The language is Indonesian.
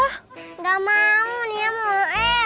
nggak mau nia mau es